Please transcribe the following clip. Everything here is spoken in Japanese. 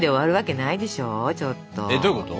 えっどういうこと？